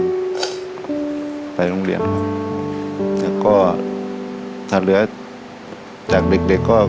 ต่อไปโรงเรียนครับแล้วก็ทำเหลือจากเด็กเด็กอ่ะ